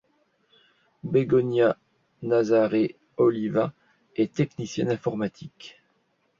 Begoña Nasarre Oliva est technicienne informatique.